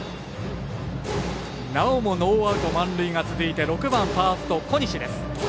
なおもノーアウト満塁が続いていて６番ファースト、小西です。